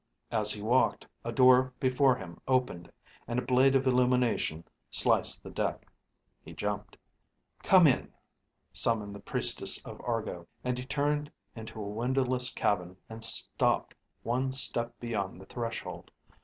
As he walked, a door before him opened and a blade of illumination sliced the deck. He jumped. "Come in," summoned the Priestess of Argo, and he turned into a windowless cabin and stopped one step beyond the threshold.